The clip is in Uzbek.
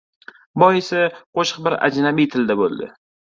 Boisi, qo‘shiq bir ajnabiy tilda bo‘ldi.